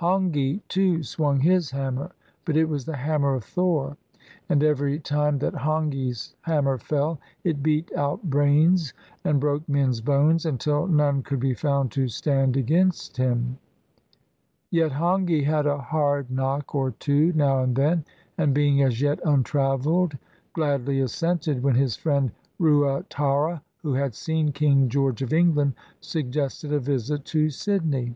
Hongi, too, swung his hammer; but it was the Hammer of Thor. And every time that Hongi's hammer fell, it beat out brains and broke men's bones, until none could be found to stand against him. Yet Hongi had a hard knock or two now and then, and, being as yet untraveled, gladly assented when his friend Ruatara — who had seen King George of England — suggested a visit to Sydney.